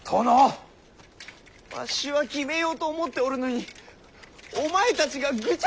わしは決めようと思っておるのにお前たちがぐちゃぐちゃと申すから！